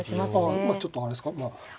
あまあちょっとあれですか。